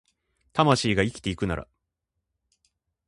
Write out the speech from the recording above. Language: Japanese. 魂が生きてくなら